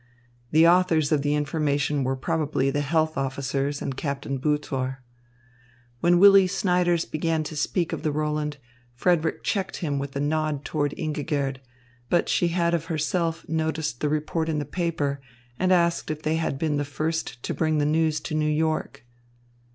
The authors of the information were probably the health officers and Captain Butor. When Willy Snyders began to speak of the Roland, Frederick checked him with a nod toward Ingigerd; but she had of herself noticed the report in the paper and asked if they had been the first to bring the news to New York.